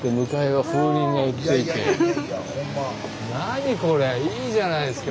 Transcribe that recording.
何これいいじゃないすか。